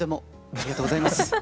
ありがとうございます。